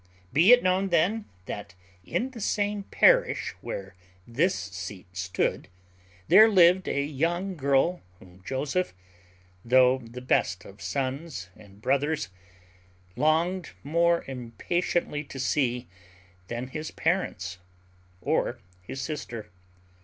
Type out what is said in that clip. Be it known, then, that in the same parish where this seat stood there lived a young girl whom Joseph (though the best of sons and brothers) longed more impatiently to see than his parents or his sister.